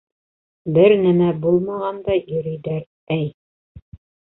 Бер нәмә булмағандай йөрөйҙәр, әй.